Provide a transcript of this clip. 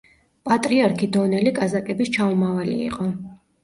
პატრიარქი დონელი კაზაკების ჩამომავალი იყო.